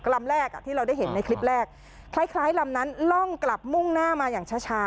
ลำแรกอ่ะที่เราได้เห็นในคลิปแรกคล้ายลำนั้นล่องกลับมุ่งหน้ามาอย่างช้า